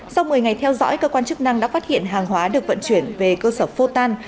sau một mươi ngày theo dõi cơ quan chức năng đã phát hiện hàng hóa được vận chuyển về cơ sở photan